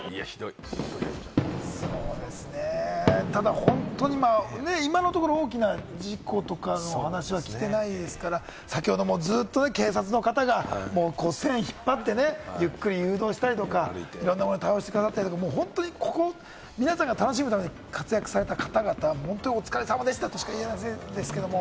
そうですね、ただ本当に今のところ大きな事故とかの話は来てないですから、先ほどもずっと警察の方が線を引っ張ってゆっくり誘導したりとか、本当に皆さんが楽しむために活躍されたかたがた、本当にお疲れさまでしたとしか、言えませんけれど。